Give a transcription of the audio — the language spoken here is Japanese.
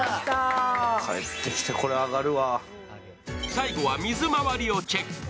最後は水回りをチェック。